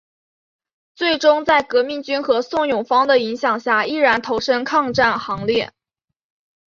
最终在革命军和宋永芳的影响下毅然投身抗战行列。